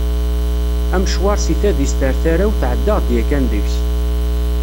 Amecwar seg tadist ar tarrawt, ɛeddaɣ-d yakkan deg-s.